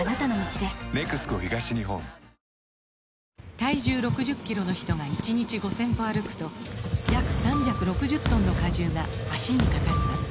体重６０キロの人が１日５０００歩歩くと約３６０トンの荷重が脚にかかります